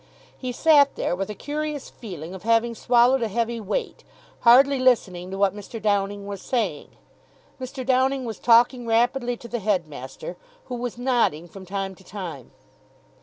He sat there, with a curious feeling of having swallowed a heavy weight, hardly listening to what Mr. Downing was saying. Mr. Downing was talking rapidly to the headmaster, who was nodding from time to time.